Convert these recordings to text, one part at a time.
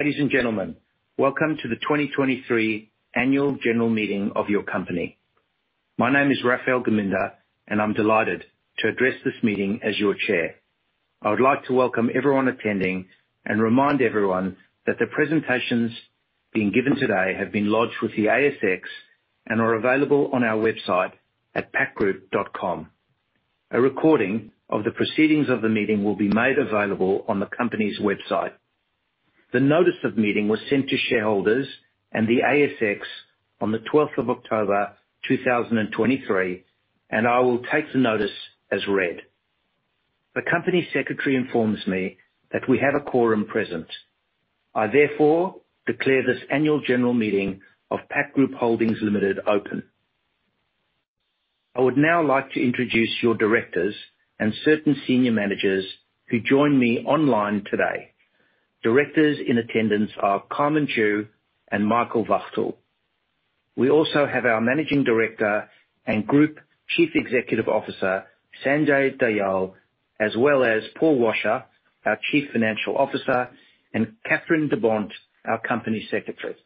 Ladies and gentlemen, welcome to the 2023 Annual General Meeting of your company. My name is Raphael Geminder, and I'm delighted to address this meeting as your chair. I would like to welcome everyone attending and remind everyone that the presentations being given today have been lodged with the ASX and are available on our website at pactgroup.com. A recording of the proceedings of the meeting will be made available on the company's website. The notice of meeting was sent to shareholders and the ASX on the 12th of October, 2023, and I will take the notice as read. The company secretary informs me that we have a quorum present. I therefore declare this annual general meeting of Pact Group Holdings Limited open. I would now like to introduce your directors and certain senior managers who join me online today. Directors in attendance are Carmen Chua and Michael Wachtel. We also have our Managing Director and Group Chief Executive Officer, Sanjay Dayal, as well as Paul Washer, our Chief Financial Officer, and Kathryn de Bont, our Company Secretary.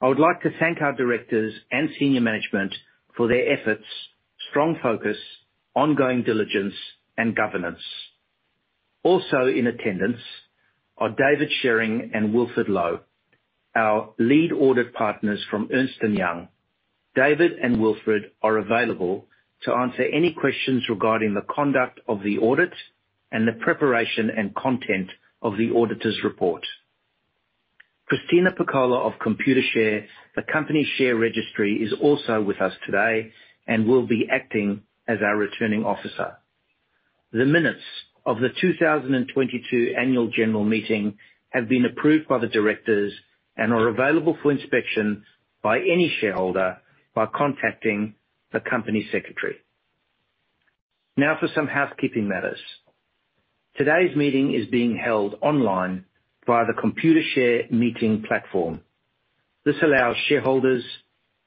I would like to thank our directors and senior management for their efforts, strong focus, ongoing diligence, and governance. Also in attendance are David Shewring and Wilfred Lowe, our lead audit partners from Ernst & Young. David and Wilfred are available to answer any questions regarding the conduct of the audit and the preparation and content of the auditor's report. Christina Piccolo of Computershare, the company share registry, is also with us today and will be acting as our returning officer. The minutes of the 2022 annual general meeting have been approved by the directors and are available for inspection by any shareholder by contacting the company secretary. Now for some housekeeping matters. Today's meeting is being held online via the Computershare meeting platform. This allows shareholders,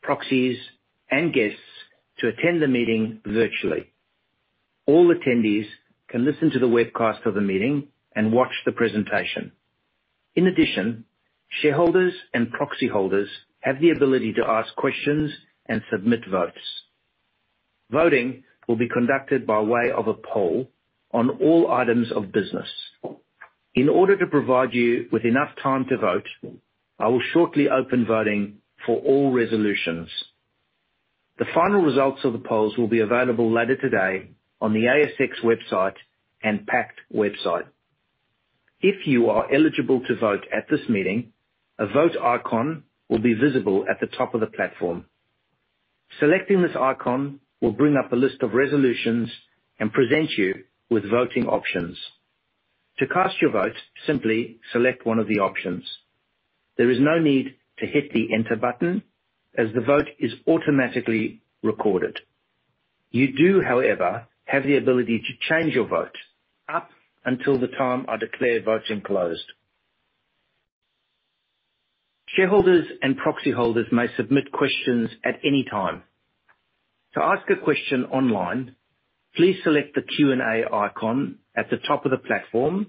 proxies, and guests to attend the meeting virtually. All attendees can listen to the webcast of the meeting and watch the presentation. In addition, shareholders and proxy holders have the ability to ask questions and submit votes. Voting will be conducted by way of a poll on all items of business. In order to provide you with enough time to vote, I will shortly open voting for all resolutions. The final results of the polls will be available later today on the ASX website and Pact website. If you are eligible to vote at this meeting, a vote icon will be visible at the top of the platform. Selecting this icon will bring up a list of resolutions and present you with voting options. To cast your vote, simply select one of the options. There is no need to hit the enter button as the vote is automatically recorded. You do, however, have the ability to change your vote up until the time I declare voting closed. Shareholders and proxy holders may submit questions at any time. To ask a question online, please select the Q&A icon at the top of the platform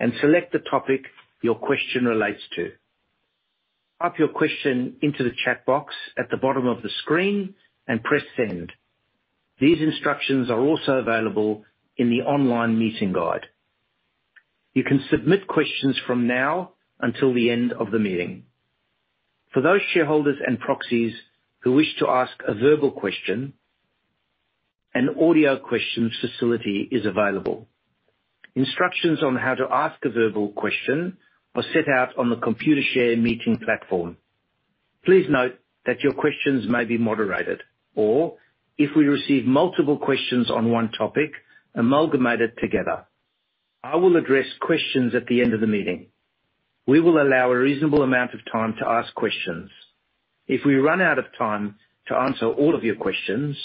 and select the topic your question relates to. Type your question into the chat box at the bottom of the screen and press Send. These instructions are also available in the online meeting guide. You can submit questions from now until the end of the meeting. For those shareholders and proxies who wish to ask a verbal question, an audio question facility is available. Instructions on how to ask a verbal question are set out on the Computershare meeting platform. Please note that your questions may be moderated, or if we receive multiple questions on one topic, amalgamated together. I will address questions at the end of the meeting. We will allow a reasonable amount of time to ask questions. If we run out of time to answer all of your questions,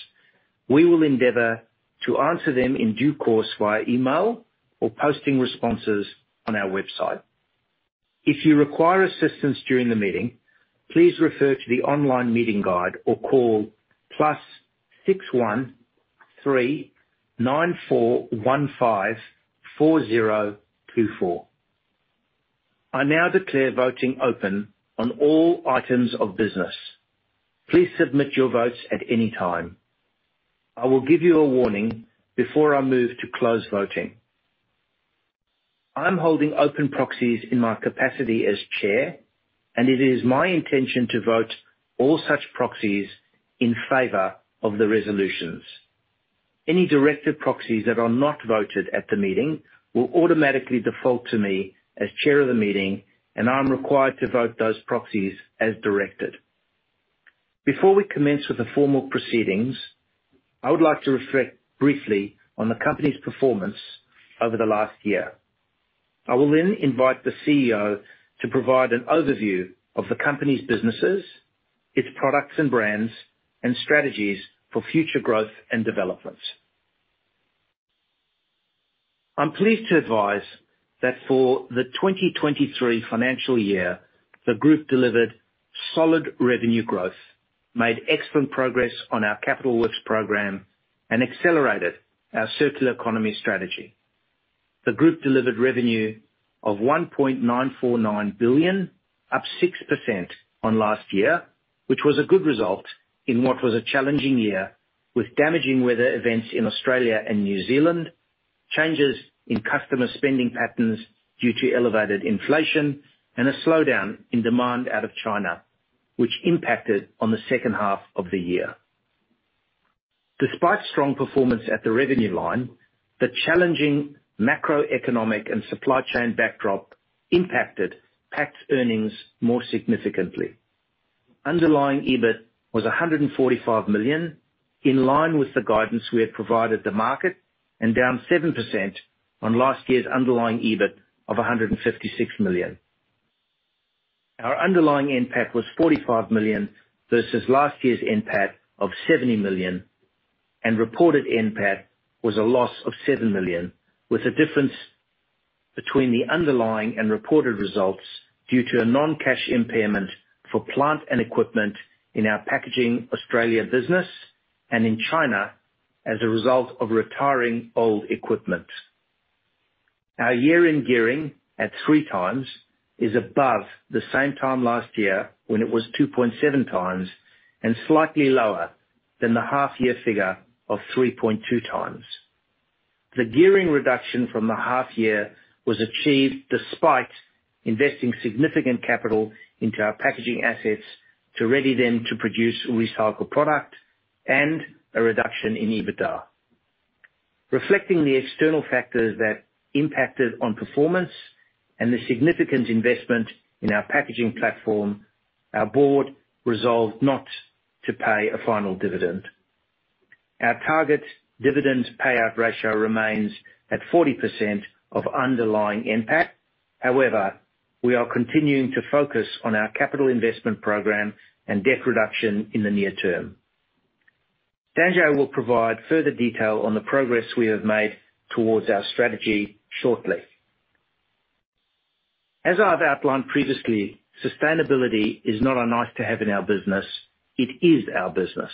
we will endeavor to answer them in due course via email or posting responses on our website. If you require assistance during the meeting, please refer to the online meeting guide or call +61 3 9415 4024. I now declare voting open on all items of business. Please submit your votes at any time. I will give you a warning before I move to close voting. I'm holding open proxies in my capacity as chair, and it is my intention to vote all such proxies in favor of the resolutions. Any directed proxies that are not voted at the meeting will automatically default to me as chair of the meeting, and I'm required to vote those proxies as directed. Before we commence with the formal proceedings, I would like to reflect briefly on the company's performance over the last year. I will then invite the CEO to provide an overview of the company's businesses, its products and brands, and strategies for future growth and developments. I'm pleased to advise that for the 2023 financial year, the group delivered solid revenue growth, made excellent progress on our capital works program, and accelerated our circular economy strategy. The group delivered revenue of $1.949 billion, up 6% on last year, which was a good result in what was a challenging year, with damaging weather events in Australia and New Zealand, changes in customer spending patterns due to elevated inflation, and a slowdown in demand out of China, which impacted on the second half of the year. Despite strong performance at the revenue line, the challenging macroeconomic and supply chain backdrop impacted Pact's earnings more significantly. Underlying EBIT was $145 million, in line with the guidance we had provided the market, and down 7% on last year's underlying EBIT of $156 million. Our underlying NPAT was $45 million versus last year's NPAT of $70 million, and reported NPAT was a loss of $7 million, with a difference between the underlying and reported results due to a non-cash impairment for plant and equipment in our Packaging Australia business and in China as a result of retiring old equipment. Our year-end gearing at 3x is above the same time last year, when it was 2.7x, and slightly lower than the half year figure of 3.2x. The gearing reduction from the half year was achieved despite investing significant capital into our packaging assets to ready them to produce recycled product and a reduction in EBITDA. Reflecting the external factors that impacted on performance and the significant investment in our packaging platform, our board resolved not to pay a final dividend. Our target dividend payout ratio remains at 40% of underlying NPAT. However, we are continuing to focus on our capital investment program and debt reduction in the near term. Sanjay will provide further detail on the progress we have made towards our strategy shortly. As I've outlined previously, sustainability is not a nice-to-have in our business, it is our business.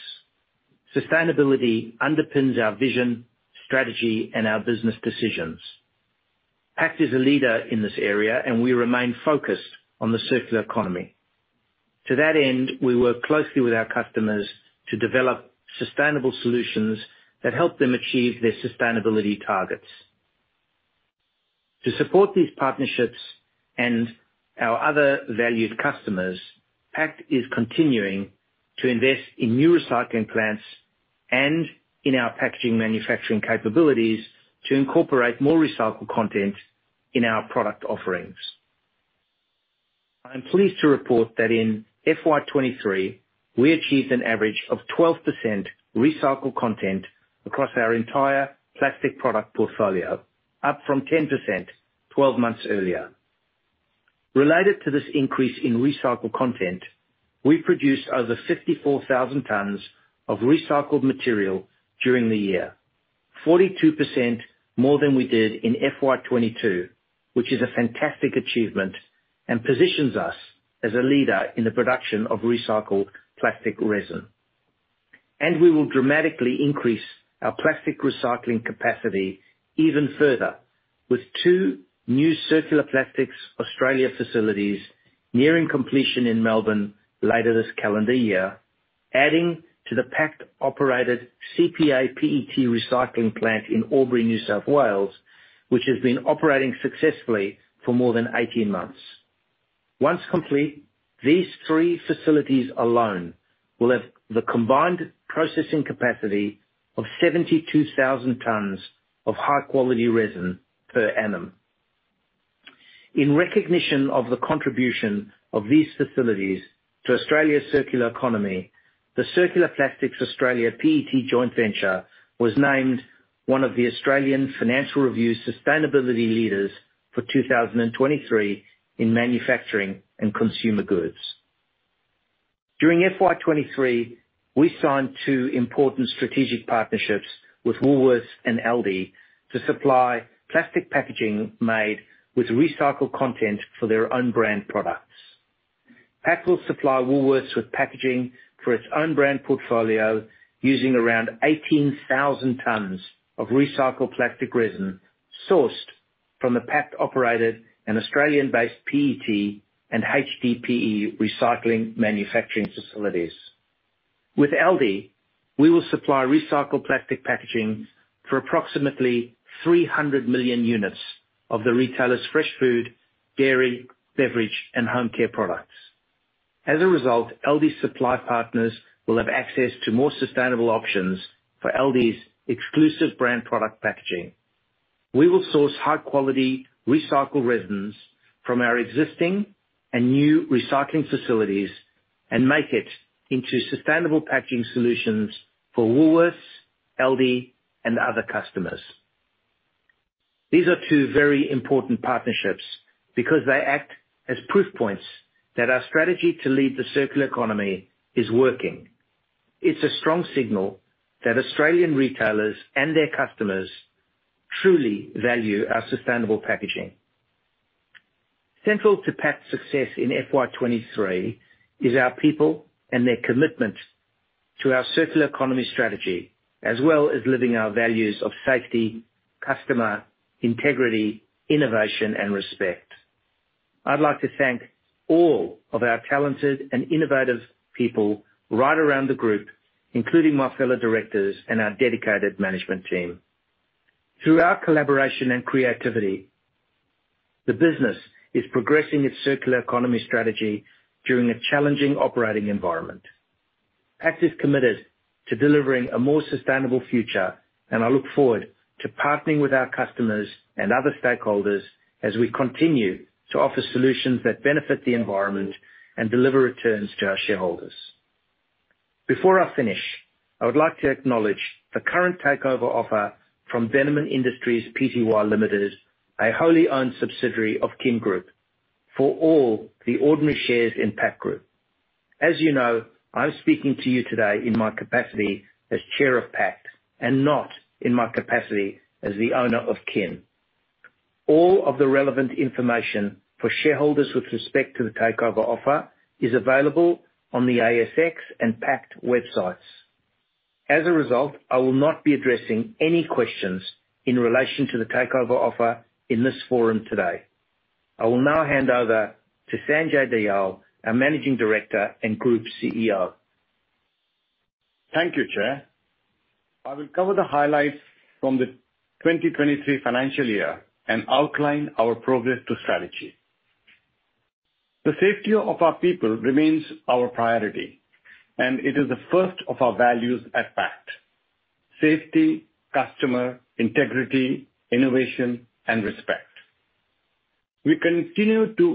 Sustainability underpins our vision, strategy, and our business decisions. Pact is a leader in this area, and we remain focused on the circular economy. To that end, we work closely with our customers to develop sustainable solutions that help them achieve their sustainability targets. To support these partnerships and our other valued customers, Pact is continuing to invest in new recycling plants and in our packaging manufacturing capabilities to incorporate more recycled content in our product offerings. I'm pleased to report that in FY 2023, we achieved an average of 12% recycled content across our entire plastic product portfolio, up from 10% twelve months earlier. Related to this increase in recycled content, we produced over 54,000 tons of recycled material during the year, 42% more than we did in FY 2022, which is a fantastic achievement and positions us as a leader in the production of recycled plastic resin. We will dramatically increase our plastic recycling capacity even further, with two new Circular Plastics Australia facilities nearing completion in Melbourne later this calendar year, adding to the Pact-operated CPA PET recycling plant in Albury, New South Wales, which has been operating successfully for more than 18 months. Once complete, these three facilities alone will have the combined processing capacity of 72,000 tons of high-quality resin per annum. In recognition of the contribution of these facilities to Australia's circular economy, the Circular Plastics Australia PET Joint Venture was named one of the Australian Financial Review Sustainability Leaders for 2023 in manufacturing and consumer goods. During FY 2023, we signed two important strategic partnerships with Woolworths and Aldi to supply plastic packaging made with recycled content for their own brand products. Pact will supply Woolworths with packaging for its own brand portfolio, using around 18,000 tons of recycled plastic resin sourced from the Pact-operated and Australian-based PET and HDPE recycling manufacturing facilities. With Aldi, we will supply recycled plastic packaging for approximately 300 million units of the retailer's fresh food, dairy, beverage, and home care products. As a result, Aldi's supply partners will have access to more sustainable options for Aldi's exclusive brand product packaging. We will source high-quality recycled resins from our existing and new recycling facilities and make it into sustainable packaging solutions for Woolworths, Aldi, and other customers. These are two very important partnerships because they act as proof points that our strategy to lead the circular economy is working. It's a strong signal that Australian retailers and their customers truly value our sustainable packaging. Central to Pact's success in FY 2023 is our people and their commitment to our circular economy strategy, as well as living our values of safety, customer, integrity, innovation, and respect. I'd like to thank all of our talented and innovative people right around the group, including my fellow directors and our dedicated management team. Through our collaboration and creativity, the business is progressing its circular economy strategy during a challenging operating environment. Pact is committed to delivering a more sustainable future, and I look forward to partnering with our customers and other stakeholders as we continue to offer solutions that benefit the environment and deliver returns to our shareholders. Before I finish, I would like to acknowledge the current takeover offer from Bennamon Industries Pty Limited, a wholly owned subsidiary of Kin Group, for all the ordinary shares in Pact Group. As you know, I'm speaking to you today in my capacity as Chair of Pact and not in my capacity as the owner of Kin. All of the relevant information for shareholders with respect to the takeover offer is available on the ASX and Pact websites. As a result, I will not be addressing any questions in relation to the takeover offer in this forum today. I will now hand over to Sanjay Dayal, our Managing Director and Group CEO. Thank you, Chair. I will cover the highlights from the 2023 financial year and outline our progress to strategy. The safety of our people remains our priority, and it is the first of our values at Pact: safety, customer, integrity, innovation, and respect. We continued to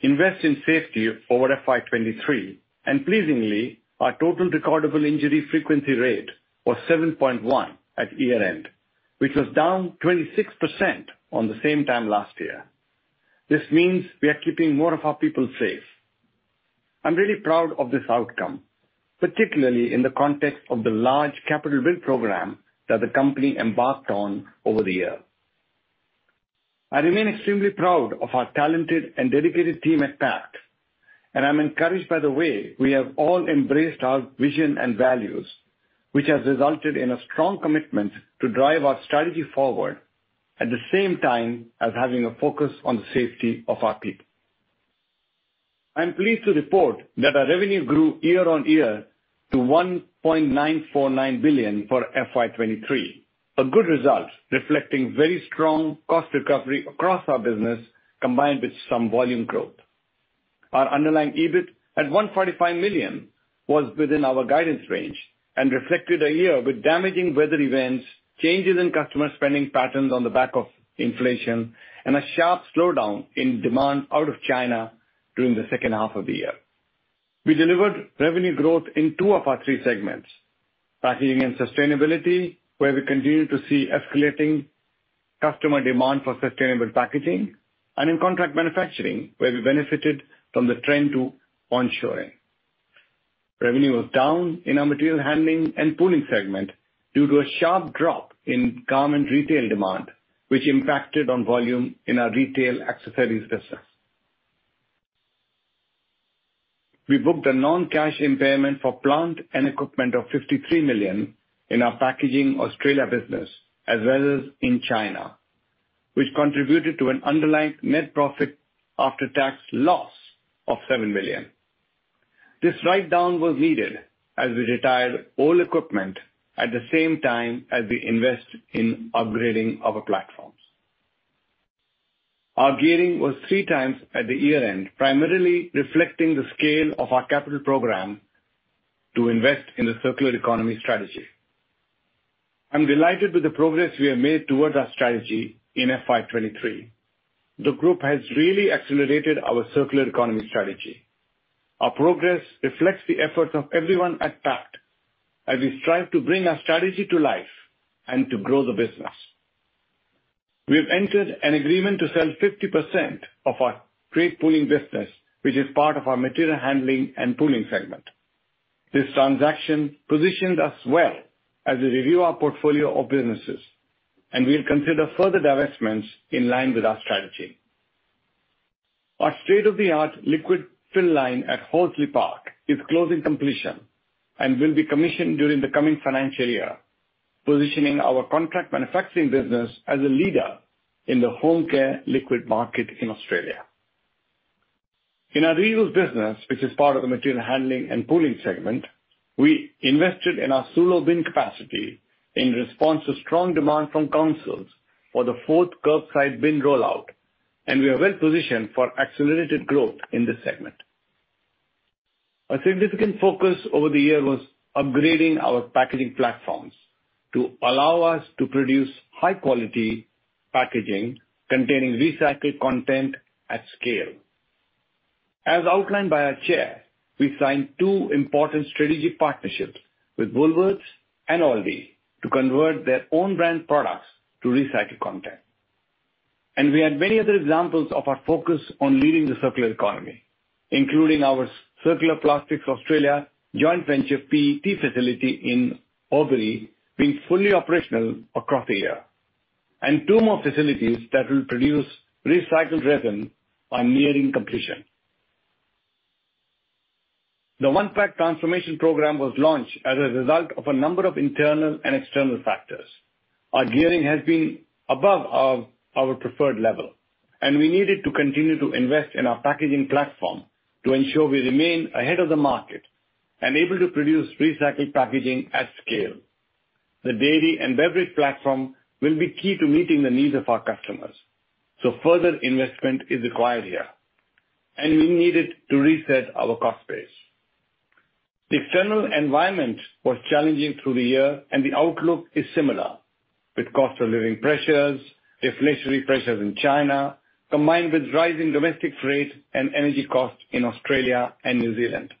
invest in safety over FY 2023, and pleasingly, our total recordable injury frequency rate was 7.1 at year-end, which was down 26% on the same time last year. This means we are keeping more of our people safe. I'm really proud of this outcome, particularly in the context of the large capital build program that the company embarked on over the year. I remain extremely proud of our talented and dedicated team at Pact, and I'm encouraged by the way we have all embraced our vision and values, which has resulted in a strong commitment to drive our strategy forward, at the same time as having a focus on the safety of our people. I'm pleased to report that our revenue grew year-on-year to $1.949 billion for FY 2023, a good result reflecting very strong cost recovery across our business, combined with some volume growth. Our underlying EBIT at $145 million was within our guidance range and reflected a year with damaging weather events, changes in customer spending patterns on the back of inflation, and a sharp slowdown in demand out of China during the second half of the year. We delivered revenue growth in two of our three segments, Packaging and Sustainability, where we continued to see escalating customer demand for sustainable packaging, and in Contract Manufacturing, where we benefited from the trend to onshoring. Revenue was down in our Material Handling and Pooling segment due to a sharp drop in garment retail demand, which impacted on volume in our retail accessories business. We booked a non-cash impairment for plant and equipment of $53 million in our Packaging Australia business, as well as in China, which contributed to an underlying net profit after-tax loss of $7 million. This write-down was needed as we retired old equipment at the same time as we invest in upgrading our platforms. Our gearing was 3x at the year-end, primarily reflecting the scale of our capital program to invest in the circular economy strategy. I'm delighted with the progress we have made towards our strategy in FY 2023. The group has really accelerated our circular economy strategy. Our progress reflects the efforts of everyone at Pact as we strive to bring our strategy to life and to grow the business. We have entered an agreement to sell 50% of our crate pooling business, which is part of our Material Handling and Pooling segment. This transaction positions us well as we review our portfolio of businesses, and we'll consider further divestments in line with our strategy. Our state-of-the-art liquid fill line at Horsley Park is nearing completion and will be commissioned during the coming financial year, positioning our contract manufacturing business as a leader in the home care liquid market in Australia. In our ReUse business, which is part of the Material Handling and Pooling segment, we invested in our Sulo bin capacity in response to strong demand from councils for the fourth kerbside bin rollout, and we are well positioned for accelerated growth in this segment. A significant focus over the year was upgrading our packaging platforms to allow us to produce high-quality packaging containing recycled content at scale. As outlined by our Chair, we signed two important strategic partnerships with Woolworths and Aldi to convert their own brand products to recycled content.... We had many other examples of our focus on leading the circular economy, including our Circular Plastics Australia joint venture PET facility in Albury, being fully operational across the year, and two more facilities that will produce recycled resin are nearing completion. The One Pact Transformation program was launched as a result of a number of internal and external factors. Our gearing has been above our preferred level, and we needed to continue to invest in our packaging platform to ensure we remain ahead of the market and able to produce recycled packaging at scale. The dairy and beverage platform will be key to meeting the needs of our customers, so further investment is required here, and we needed to reset our cost base. The external environment was challenging through the year, and the outlook is similar, with cost of living pressures, deflationary pressures in China, combined with rising domestic freight and energy costs in Australia and New Zealand.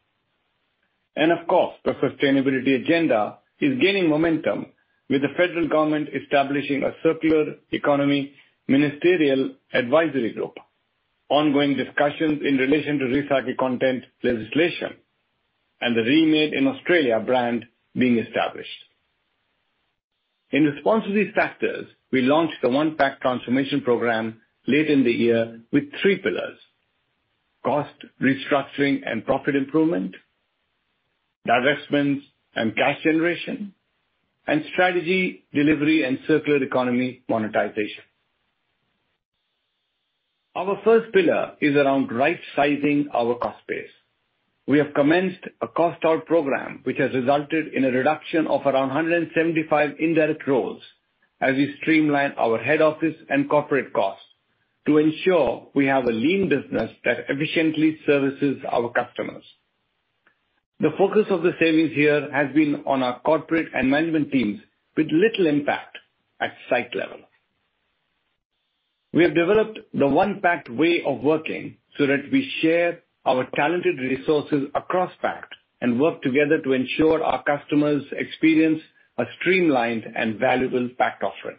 Of course, the sustainability agenda is gaining momentum, with the federal government establishing a Circular Economy Ministerial Advisory Group, ongoing discussions in relation to recycled content legislation, and the Remade in Australia brand being established. In response to these factors, we launched the One Pact Transformation program late in the year with three pillars: cost restructuring and profit improvement, divestments and cash generation, and strategy, delivery, and circular economy monetization. Our first pillar is around right-sizing our cost base. We have commenced a cost-out program, which has resulted in a reduction of around 175 indirect roles as we streamline our head office and corporate costs to ensure we have a lean business that efficiently services our customers. The focus of the savings here has been on our corporate and management teams, with little impact at site level. We have developed the One Pact way of working so that we share our talented resources across Pact and work together to ensure our customers experience a streamlined and valuable Pact offering.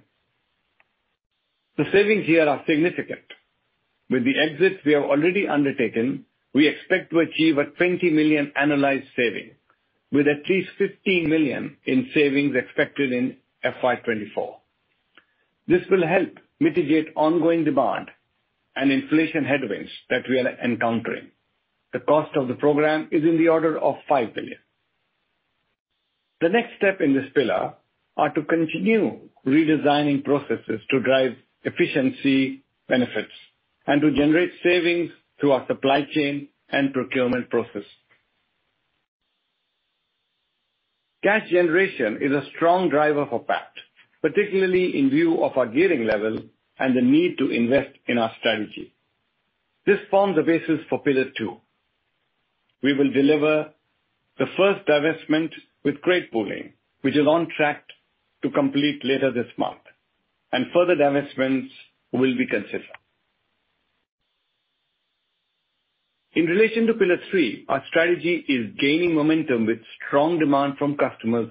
The savings here are significant. With the exits we have already undertaken, we expect to achieve an $20 million annualized saving, with at least $15 million in savings expected in FY 2024. This will help mitigate ongoing demand and inflation headwinds that we are encountering. The cost of the program is in the order of $5 million. The next step in this pillar are to continue redesigning processes to drive efficiency benefits and to generate savings through our supply chain and procurement process. Cash generation is a strong driver for Pact, particularly in view of our gearing level and the need to invest in our strategy. This forms the basis for pillar two. We will deliver the first divestment with crate pooling, which is on track to complete later this month, and further divestments will be considered. In relation to pillar three, our strategy is gaining momentum with strong demand from customers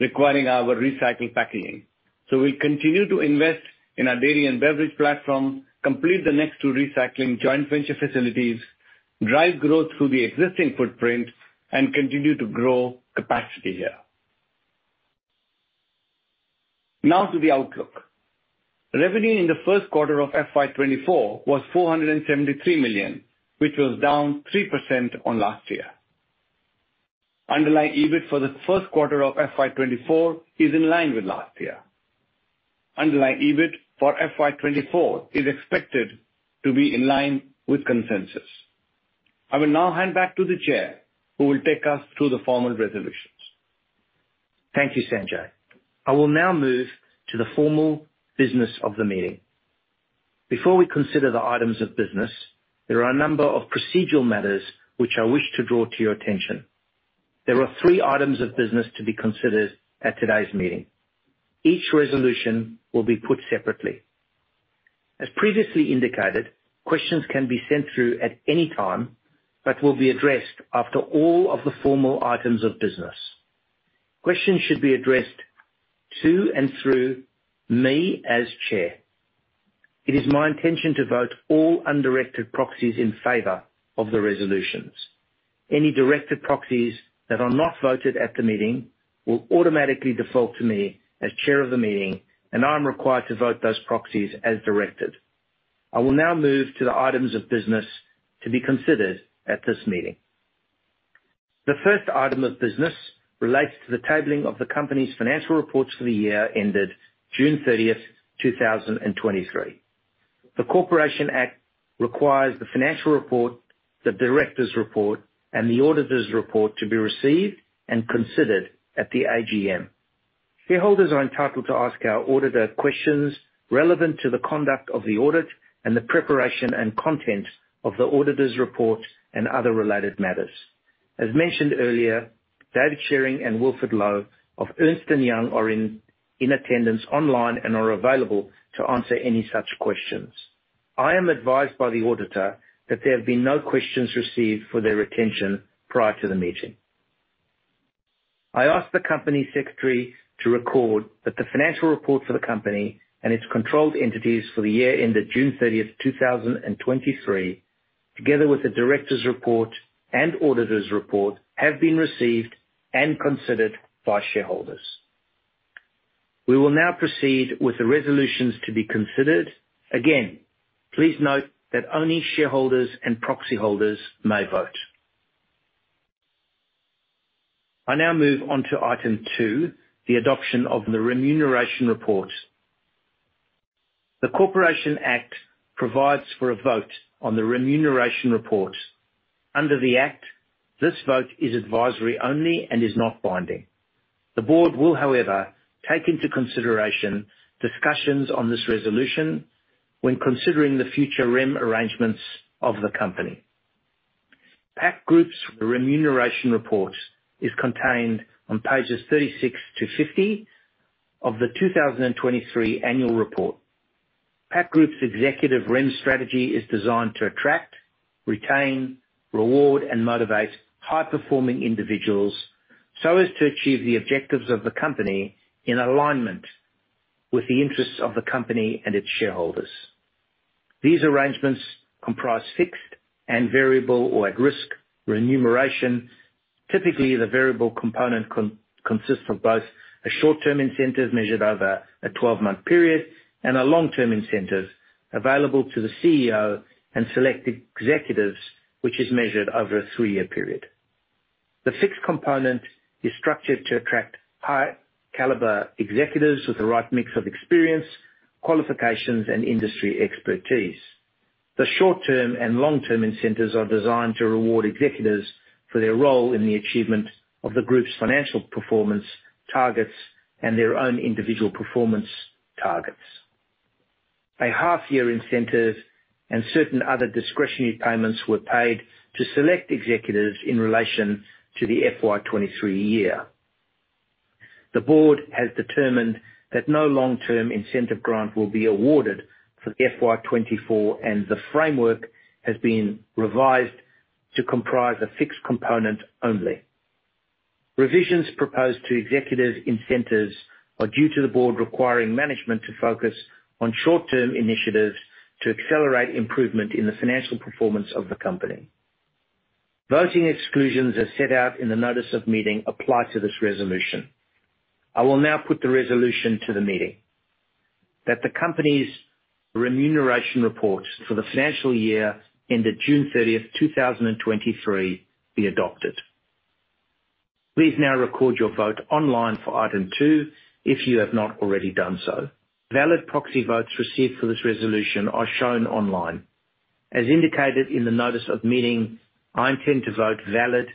requiring our recycled packaging. So we'll continue to invest in our dairy and beverage platform, complete the next two recycling joint venture facilities, drive growth through the existing footprint, and continue to grow capacity here. Now to the outlook. Revenue in the first quarter of FY 2024 was $473 million, which was down 3% on last year. Underlying EBIT for the first quarter of FY 2024 is in line with last year. Underlying EBIT for FY 2024 is expected to be in line with consensus. I will now hand back to the chair, who will take us through the formal resolutions. Thank you, Sanjay. I will now move to the formal business of the meeting. Before we consider the items of business, there are a number of procedural matters which I wish to draw to your attention. There are three items of business to be considered at today's meeting. Each resolution will be put separately. As previously indicated, questions can be sent through at any time, but will be addressed after all of the formal items of business. Questions should be addressed to and through me as chair. It is my intention to vote all undirected proxies in favor of the resolutions. Any directed proxies that are not voted at the meeting will automatically default to me as chair of the meeting, and I am required to vote those proxies as directed. I will now move to the items of business to be considered at this meeting. The first item of business relates to the tabling of the company's financial reports for the year ended June 30, 2023. The Corporations Act requires the financial report, the directors' report, and the auditors' report to be received and considered at the AGM. Shareholders are entitled to ask our auditor questions relevant to the conduct of the audit and the preparation and content of the auditors' reports and other related matters. As mentioned earlier, David Shewring and Wilfred Lowe of Ernst & Young are in attendance online and are available to answer any such questions. I am advised by the auditor that there have been no questions received for their attention prior to the meeting.... I ask the company secretary to record that the financial report for the company and its controlled entities for the year ended June 30, 2023, together with the directors' report and auditors' report, have been received and considered by shareholders. We will now proceed with the resolutions to be considered. Again, please note that only shareholders and proxy holders may vote. I now move on to item two, the adoption of the remuneration report. The Corporations Act provides for a vote on the remuneration report. Under the Act, this vote is advisory only and is not binding. The board will, however, take into consideration discussions on this resolution when considering the future rem arrangements of the company. Pact Group's remuneration report is contained on pages 36-50 of the 2023 annual report. Pact Group's executive rem strategy is designed to attract, retain, reward, and motivate high-performing individuals, so as to achieve the objectives of the company in alignment with the interests of the company and its shareholders. These arrangements comprise fixed and variable or at-risk remuneration. Typically, the variable component consists of both a short-term incentive measured over a 12-month period and a long-term incentives available to the CEO and select executives, which is measured over a three-year period. The fixed component is structured to attract high-caliber executives with the right mix of experience, qualifications, and industry expertise. The short-term and long-term incentives are designed to reward executives for their role in the achievement of the group's financial performance targets and their own individual performance targets. A half-year incentive and certain other discretionary payments were paid to select executives in relation to the FY 2023 year. The board has determined that no long-term incentive grant will be awarded for the FY 2024, and the framework has been revised to comprise a fixed component only. Revisions proposed to executives' incentives are due to the board requiring management to focus on short-term initiatives to accelerate improvement in the financial performance of the company. Voting exclusions, as set out in the notice of meeting, apply to this resolution. I will now put the resolution to the meeting: that the company's remuneration reports for the financial year ended June 30, 2023, be adopted. Please now record your vote online for item two if you have not already done so. Valid proxy votes received for this resolution are shown online. As indicated in the notice of meeting, I intend to vote valid,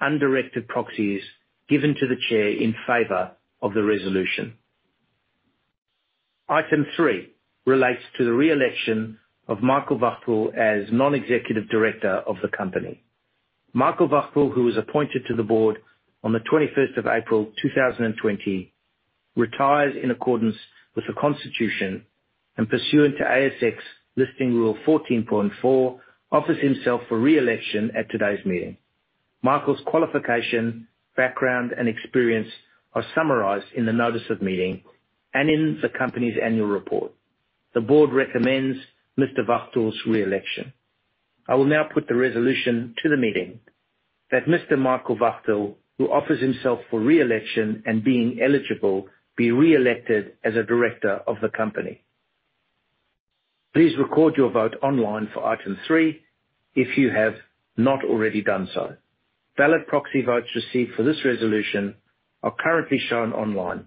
undirected proxies given to the chair in favor of the resolution. Item three relates to the re-election of Michael Wachtel as non-executive director of the company. Michael Wachtel, who was appointed to the board on the 21st of April 2020, retires in accordance with the constitution, and pursuant to ASX Listing Rule 14.4, offers himself for re-election at today's meeting. Michael's qualification, background, and experience are summarized in the notice of meeting and in the company's annual report. The board recommends Mr. Wachtel's re-election. I will now put the resolution to the meeting: that Mr. Michael Wachtel, who offers himself for re-election and being eligible, be re-elected as a director of the company. Please record your vote online for item three if you have not already done so. Valid proxy votes received for this resolution are currently shown online.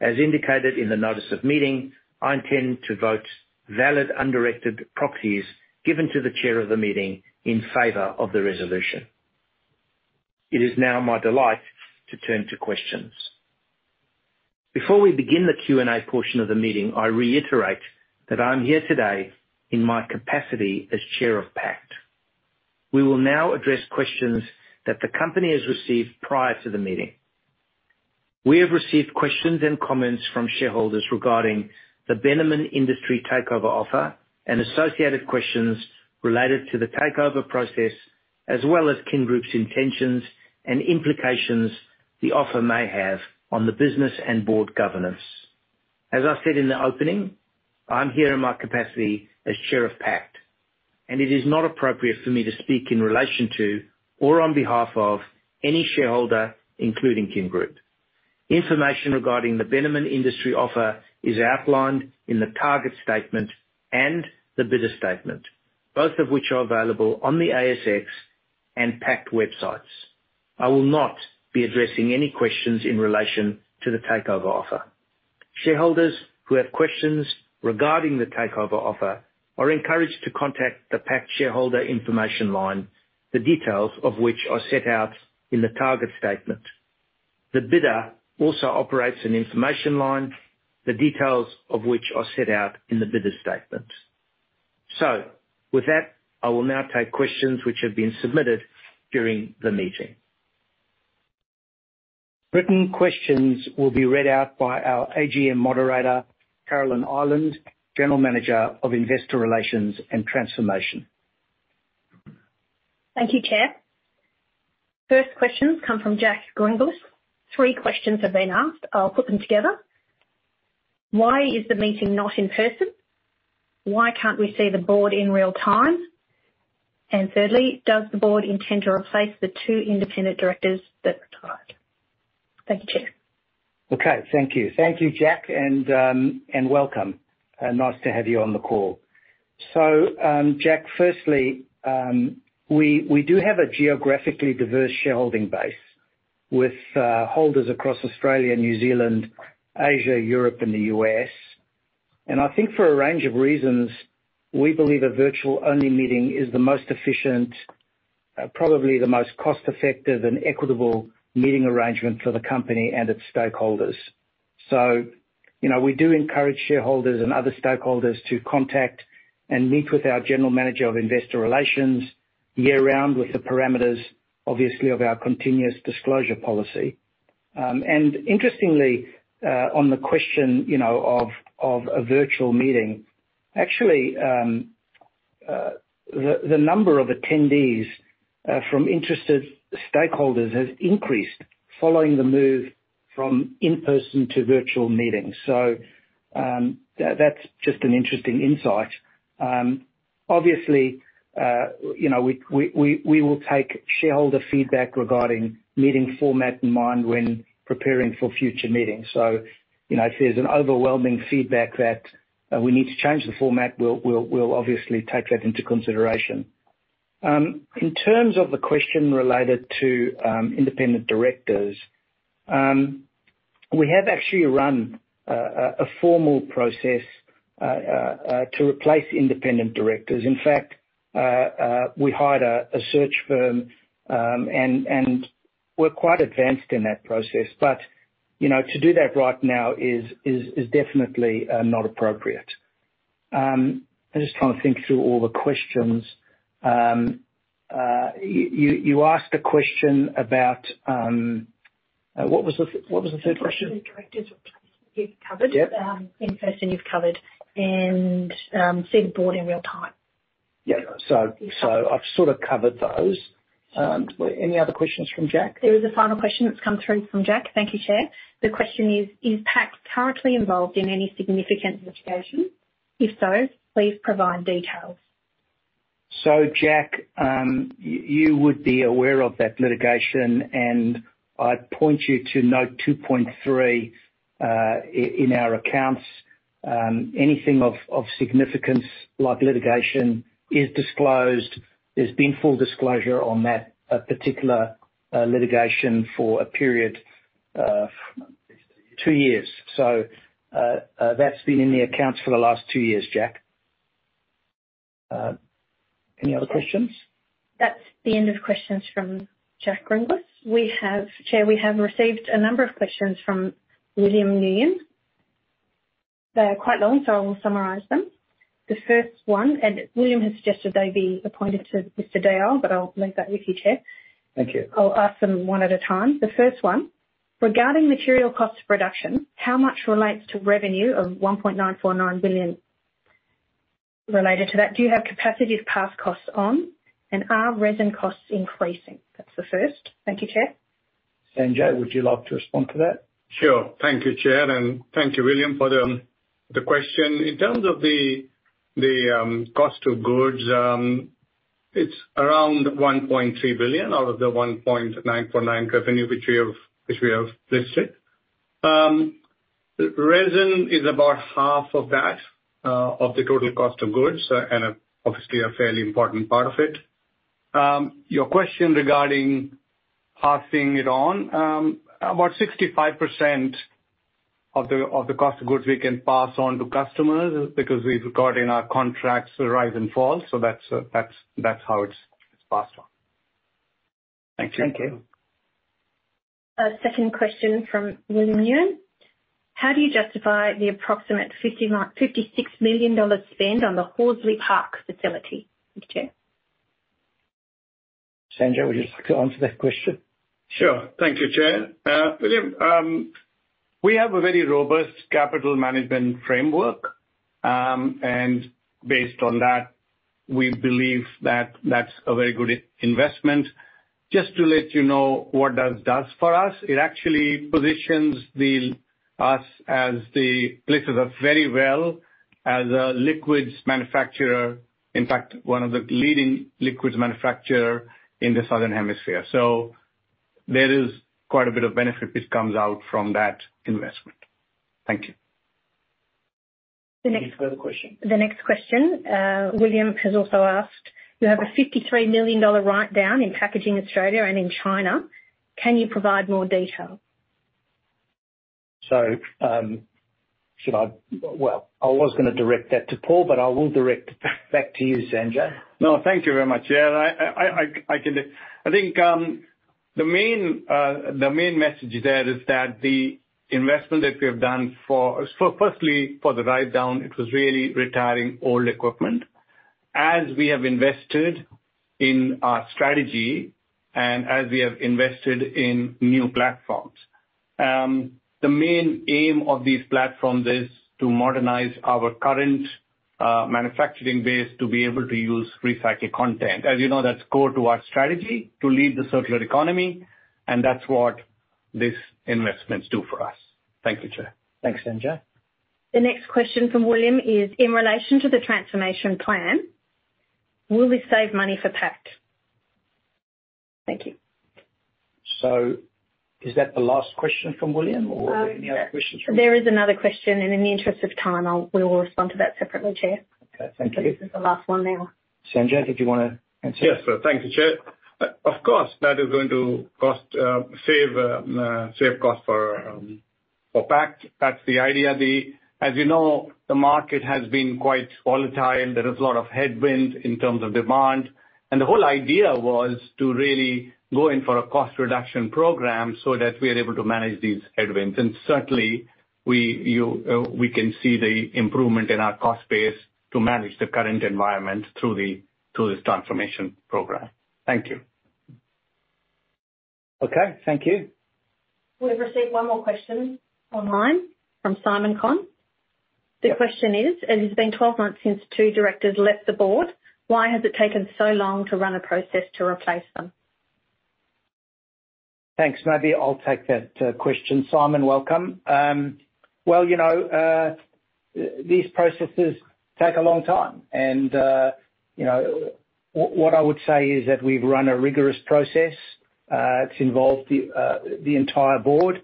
As indicated in the notice of meeting, I intend to vote valid, undirected proxies given to the chair of the meeting in favor of the resolution. It is now my delight to turn to questions. Before we begin the Q&A portion of the meeting, I reiterate that I'm here today in my capacity as chair of Pact. We will now address questions that the company has received prior to the meeting. We have received questions and comments from shareholders regarding the Bennamon Industries takeover offer and associated questions related to the takeover process, as well as Kin Group's intentions and implications the offer may have on the business and board governance. As I said in the opening, I'm here in my capacity as chair of Pact, and it is not appropriate for me to speak in relation to or on behalf of any shareholder, including Kin Group. Information regarding the Bennamon Industries offer is outlined in the target statement and the bidder statement, both of which are available on the ASX and Pact websites. I will not be addressing any questions in relation to the takeover offer. Shareholders who have questions regarding the takeover offer are encouraged to contact the Pact shareholder information line, the details of which are set out in the target statement. The bidder also operates an information line, the details of which are set out in the bidder statement. So with that, I will now take questions which have been submitted during the meeting. Written questions will be read out by our AGM moderator, Carolyn Ireland, General Manager of Investor Relations and Transformation.... Thank you, Chair. First questions come from Jack Gringlas. Three questions have been asked. I'll put them together. Why is the meeting not in person? Why can't we see the board in real time? And thirdly, does the board intend to replace the two independent directors that retired? Thank you, Chair. Okay, thank you. Thank you, Jack, and welcome. Nice to have you on the call. So, Jack, firstly, we do have a geographically diverse shareholding base with holders across Australia, New Zealand, Asia, Europe, and the U.S. And I think for a range of reasons, we believe a virtual-only meeting is the most efficient, probably the most cost-effective and equitable meeting arrangement for the company and its stakeholders. So, you know, we do encourage shareholders and other stakeholders to contact and meet with our general manager of investor relations year-round, with the parameters, obviously, of our continuous disclosure policy. And interestingly, on the question, you know, of a virtual meeting, actually, the number of attendees from interested stakeholders has increased following the move from in-person to virtual meetings. So, that's just an interesting insight. Obviously, you know, we will take shareholder feedback regarding meeting format in mind when preparing for future meetings. So, you know, if there's an overwhelming feedback that we need to change the format, we'll obviously take that into consideration. In terms of the question related to independent directors, we have actually run a formal process to replace independent directors. In fact, we hired a search firm, and we're quite advanced in that process. But, you know, to do that right now is definitely not appropriate. I'm just trying to think through all the questions. You asked a question about what was the third question? Directors you've covered. Yep. In-person, you've covered, and see the board in real time. Yeah. So, so I've sort of covered those. Any other questions from Jack? There is a final question that's come through from Jack. Thank you, Chair. The question is: Is Pact currently involved in any significant litigation? If so, please provide details. So, Jack, you would be aware of that litigation, and I'd point you to note 2.3 in our accounts. Anything of significance, like litigation, is disclosed. There's been full disclosure on that particular litigation for a period two years. So, that's been in the accounts for the last two years, Jack. Any other questions? That's the end of questions from Jack Gringlas. We have, Chair, we have received a number of questions from William Nguyen. They are quite long, so I will summarize them. The first one, and William has suggested they be appointed to Mr. Dayal, but I'll leave that with you, Chair. Thank you. I'll ask them one at a time. The first one: Regarding material costs of production, how much relates to revenue of $1.949 billion? Related to that, do you have capacity to pass costs on, and are resin costs increasing? That's the first. Thank you, Chair. Sanjay, would you like to respond to that? Sure. Thank you, Chair, and thank you, William, for the question. In terms of the cost of goods, it's around $1.3 billion out of the $1.949 billion revenue, which we have listed. Resin is about half of that, of the total cost of goods, and obviously a fairly important part of it. Your question regarding passing it on, about 65% of the cost of goods we can pass on to customers because we've got in our contracts a rise and fall. So that's how it's passed on. Thank you. Thank you. A second question from William Nguyen: How do you justify the approximate $56 million spend on the Horsley Park facility? Thank you, Chair. Sanjay, would you like to answer that question? Sure. Thank you, Chair. William, we have a very robust capital management framework, and based on that, we believe that that's a very good investment. Just to let you know what that does for us, it actually positions us very well as a liquids manufacturer, in fact, one of the leading liquids manufacturer in the Southern Hemisphere. There is quite a bit of benefit which comes out from that investment. Thank you. The next- Any further question? The next question, William has also asked: You have a $53 million write-down in Packaging Australia and in China. Can you provide more details? So, should I... Well, I was gonna direct that to Paul, but I will direct back to you, Sanjay. No, thank you very much, Chair. I can do. I think the main message there is that the investment that we have done for firstly for the write-down, it was really retiring old equipment. As we have invested in our strategy and as we have invested in new platforms. The main aim of these platforms is to modernize our current manufacturing base to be able to use recycled content. As you know, that's core to our strategy to lead the circular economy, and that's what these investments do for us. Thank you, Chair. Thanks, Sanjay. The next question from William is: In relation to the transformation plan, will we save money for Pact? Thank you. Is that the last question from William, or are there any other questions from- There is another question, and in the interest of time, we will respond to that separately, Chair. Okay. Thank you. This is the last one now. Sanjay, if you wanna answer. Yes, sir. Thank you, Chair. Of course, that is going to save costs for Pact. That's the idea. As you know, the market has been quite volatile. There is a lot of headwinds in terms of demand, and the whole idea was to really go in for a cost reduction program so that we are able to manage these headwinds. And certainly, we can see the improvement in our cost base to manage the current environment through this transformation program. Thank you. Okay, thank you. We've received one more question online from Simon Conn. The question is: It has been 12 months since two directors left the board. Why has it taken so long to run a process to replace them? Thanks. Maybe I'll take that question. Simon, welcome. Well, you know, these processes take a long time. You know, what I would say is that we've run a rigorous process. It's involved the entire board.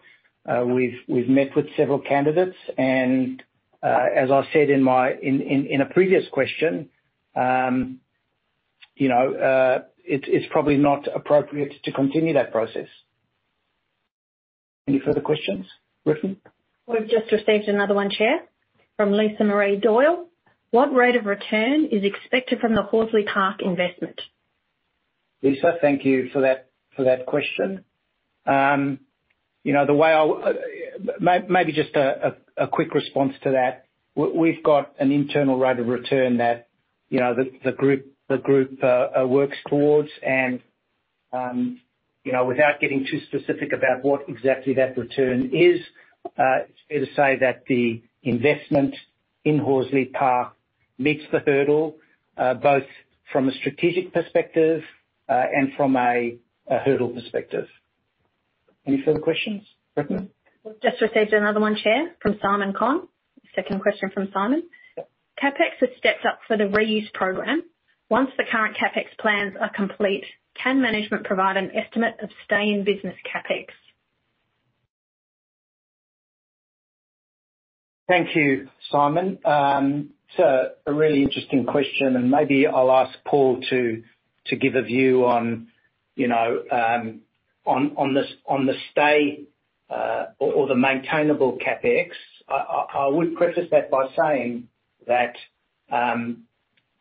We've met with several candidates, and, as I said in a previous question, you know, it's probably not appropriate to continue that process. Any further questions, Brittany? We've just received another one, Chair, from Lisa Marie Doyle. What rate of return is expected from the Horsley Park investment? Lisa, thank you for that, for that question. You know, maybe just a quick response to that. We've got an internal rate of return that, you know, the group works towards. You know, without getting too specific about what exactly that return is, it's fair to say that the investment in Horsley Park meets the hurdle, both from a strategic perspective, and from a hurdle perspective. Any further questions, Brittany? We've just received another one, Chair, from Simon Conn. Second question from Simon: CapEx has stepped up for the reuse program. Once the current CapEx plans are complete, can management provide an estimate of stay-in business CapEx? Thank you, Simon. It's a really interesting question, and maybe I'll ask Paul to give a view on, you know, on the steady or the maintenance CapEx. I would preface that by saying that,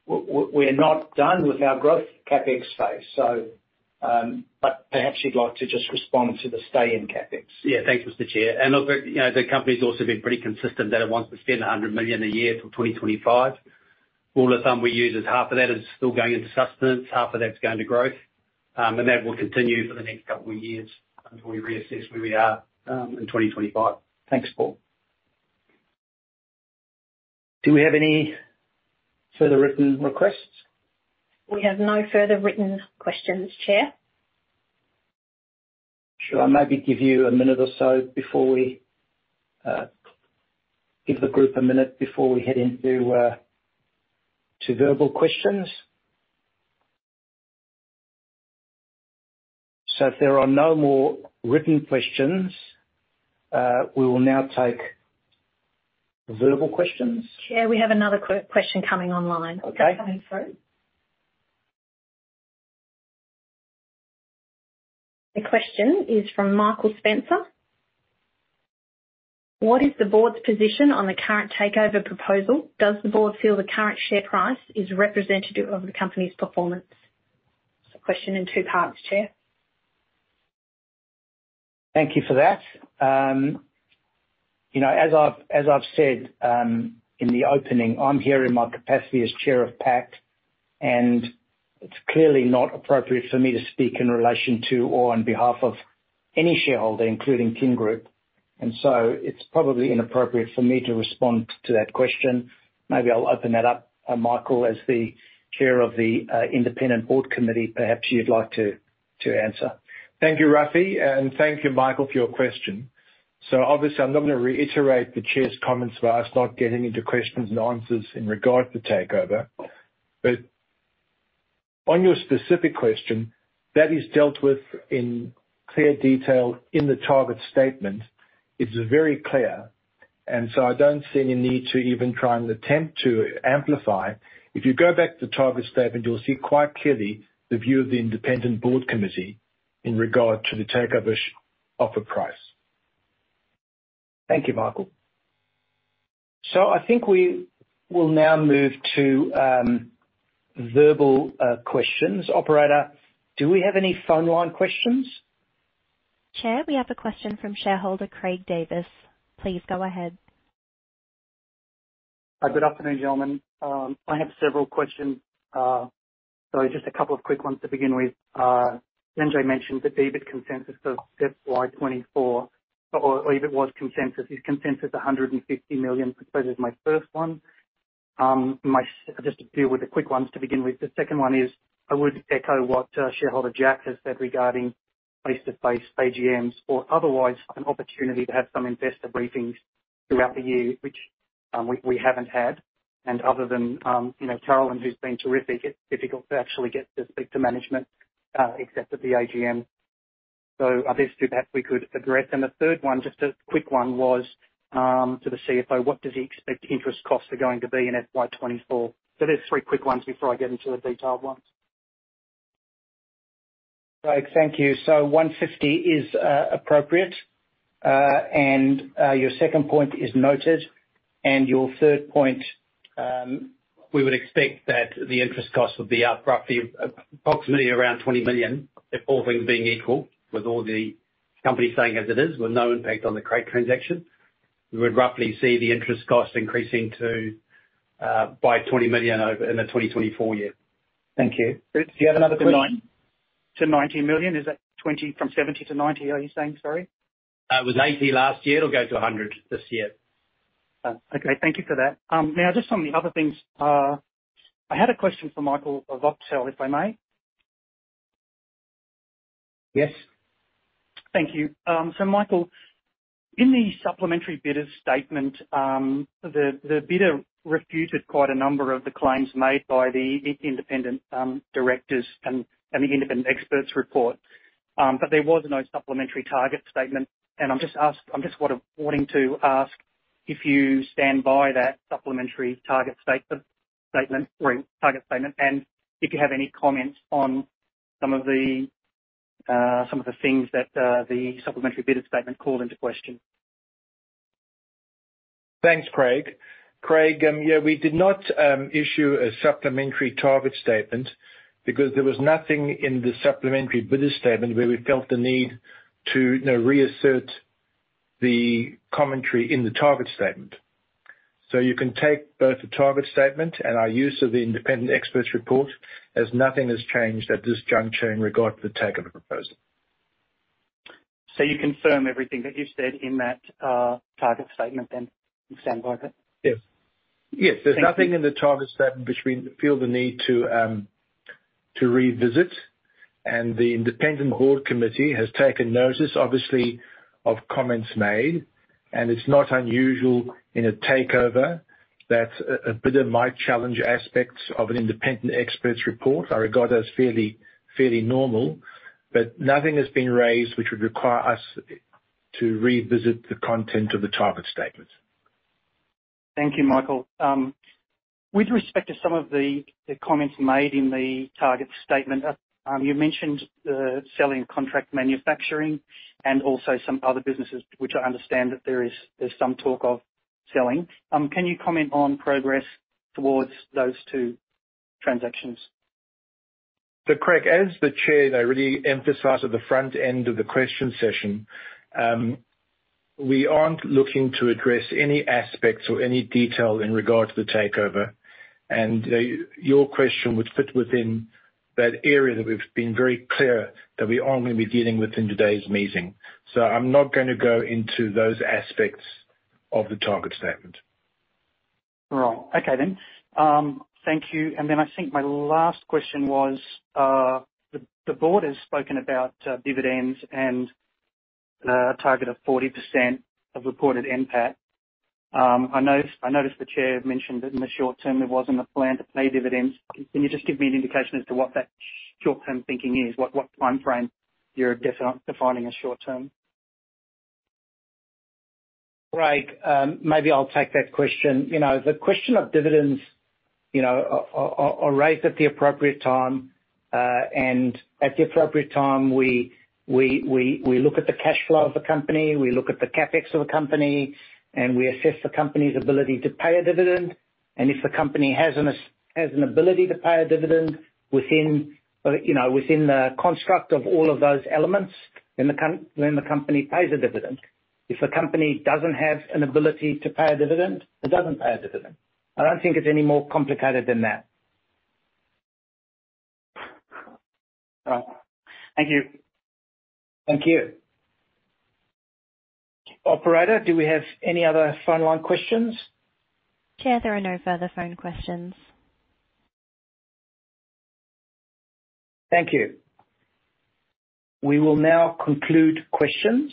we're not done with our growth CapEx phase, so... But perhaps you'd like to just respond to the steady-state CapEx. Yeah. Thanks, Mr. Chair. And look, you know, the company's also been pretty consistent that it wants to spend $100 million a year until 2025. Rule of thumb we use is half of that is still going into sustenance, half of that's going to growth. And that will continue for the next couple of years until we reassess where we are in 2025. Thanks, Paul. Do we have any further written requests? We have no further written questions, Chair. Sure. I'll maybe give you a minute or so before we give the group a minute before we head into to verbal questions. So if there are no more written questions, we will now take verbal questions. Chair, we have another question coming online. Okay. Coming through. The question is from Michael Spencer: What is the board's position on the current takeover proposal? Does the board feel the current share price is representative of the company's performance? It's a question in two parts, Chair. Thank you for that. You know, as I've said, in the opening, I'm here in my capacity as chair of Pact, and it's clearly not appropriate for me to speak in relation to or on behalf of any shareholder, including Kin Group. So it's probably inappropriate for me to respond to that question. Maybe I'll open that up. Michael, as the chair of the independent board committee, perhaps you'd like to answer. Thank you, Rafi, and thank you, Michael, for your question. So obviously, I'm not going to reiterate the chair's comments about us not getting into questions and answers in regard to the takeover. But on your specific question, that is dealt with in clear detail in the target statement. It's very clear, and so I don't see any need to even try and attempt to amplify. If you go back to the target statement, you'll see quite clearly the view of the independent board committee in regard to the takeover offer price. Thank you, Michael. So I think we will now move to verbal questions. Operator, do we have any phone line questions? Chair, we have a question from shareholder Craig Davis. Please go ahead.... Hi, good afternoon, gentlemen. I have several questions. So just a couple of quick ones to begin with. Sanjay mentioned the EBIT consensus for FY 2024, or, or EBIT was consensus. Is consensus $150 million? So that is my first one. Just to deal with the quick ones to begin with. The second one is, I would echo what, shareholder Jack has said regarding face-to-face AGMs or otherwise, an opportunity to have some investor briefings throughout the year, which, we, we haven't had, and other than, you know, Carolyn, who's been terrific, it's difficult to actually get to speak to management, except at the AGM. So are there two that we could address? The third one, just a quick one, was to the CFO: What does he expect interest costs are going to be in FY 2024? So there's three quick ones before I get into the detailed ones. Craig, thank you. So 150 is appropriate. And your second point is noted. And your third point, we would expect that the interest cost would be up roughly, approximately around $20 million, if all things being equal, with all the companies staying as it is, with no impact on the crate transaction. We would roughly see the interest cost increasing to by $20 million over in the 2024 year. Thank you. Do you have another question? To $90 million. Is that $20 million from $70 million-$90 million, are you saying? Sorry. It was $80 million last year. It'll go to $100 million this year. Okay. Thank you for that. Now just on the other things, I had a question for Michael Wachtel, if I may. Yes. Thank you. So Michael, in the supplementary bidder's statement, the bidder refuted quite a number of the claims made by the independent directors and the independent expert's report. But there was no supplementary target statement, and I'm just wanting to ask if you stand by that supplementary target statement or target statement, and if you have any comments on some of the things that the supplementary bidder statement called into question. Thanks, Craig. Craig, yeah, we did not issue a supplementary target statement because there was nothing in the supplementary bidder statement where we felt the need to, you know, reassert the commentary in the target statement. So you can take both the target statement and our use of the independent expert's report, as nothing has changed at this juncture in regard to the takeover proposal. So you confirm everything that you said in that target statement, then? You stand by that? Yes. Yes. Thank you. There's nothing in the target statement which we feel the need to to revisit, and the independent board committee has taken notice, obviously, of comments made, and it's not unusual in a takeover that a bidder might challenge aspects of an independent expert's report. I regard that as fairly, fairly normal. But nothing has been raised which would require us to revisit the content of the target statement. Thank you, Michael. With respect to some of the comments made in the target statement, you mentioned selling contract manufacturing and also some other businesses, which I understand there's some talk of selling. Can you comment on progress towards those two transactions? So, Craig, as the chair, I really emphasized at the front end of the question session, we aren't looking to address any aspects or any detail in regards to the takeover. Your question would fit within that area that we've been very clear that we aren't going to be dealing with in today's meeting. So I'm not gonna go into those aspects of the target statement. Right. Okay, then. Thank you. And then I think my last question was, the board has spoken about dividends and a target of 40% of reported NPAT. I noticed the chair mentioned that in the short term, there wasn't a plan to pay dividends. Can you just give me an indication as to what that short-term thinking is? What timeframe you're defining as short term? Craig, maybe I'll take that question. You know, the question of dividends, you know, are raised at the appropriate time. And at the appropriate time, we look at the cash flow of the company, we look at the CapEx of the company, and we assess the company's ability to pay a dividend. And if the company has an ability to pay a dividend within, you know, within the construct of all of those elements, then the company pays a dividend. If the company doesn't have an ability to pay a dividend, it doesn't pay a dividend. I don't think it's any more complicated than that. All right. Thank you. Thank you. Operator, do we have any other phone line questions? Chair, there are no further phone questions. Thank you. We will now conclude questions.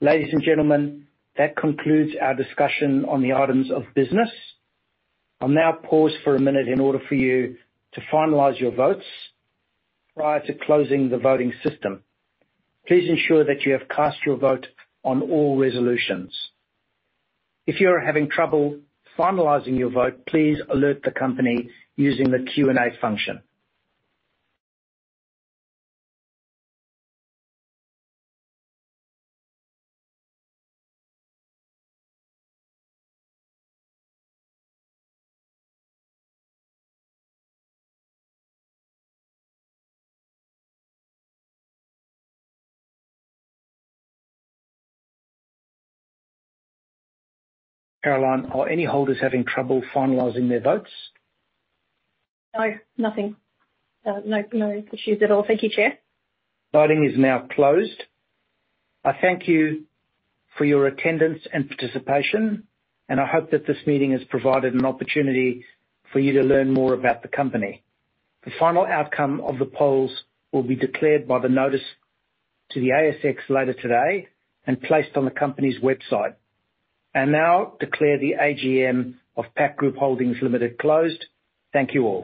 Ladies and gentlemen, that concludes our discussion on the items of business. I'll now pause for a minute in order for you to finalize your votes prior to closing the voting system. Please ensure that you have cast your vote on all resolutions. If you are having trouble finalizing your vote, please alert the company using the Q&A function. ... Carolyn, are any holders having trouble finalizing their votes? No, nothing. No, no issues at all. Thank you, Chair. Voting is now closed. I thank you for your attendance and participation, and I hope that this meeting has provided an opportunity for you to learn more about the company. The final outcome of the polls will be declared by the notice to the ASX later today and placed on the company's website. I now declare the AGM of Pact Group Holdings Limited closed. Thank you all.